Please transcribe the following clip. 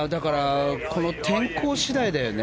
この天候次第だよね。